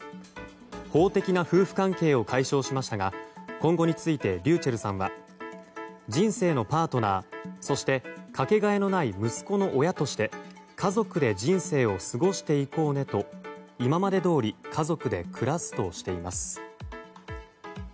法的な夫婦関係を解消しましたが今後についてｒｙｕｃｈｅｌｌさんは人生のパートナーそして、かけがえのない息子の親として家族で人生を過ごしていこうねと今までどおり家族で暮らすとしています。